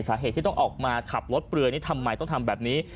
สาเหตุที่ต้องออกมาขับรถเปลือยนี่ทำไมต้องทำแบบนี้